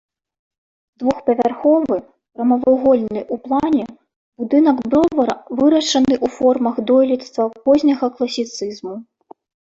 Двухпавярховы, прамавугольны ў плане будынак бровара вырашаны ў формах дойлідства позняга класіцызму.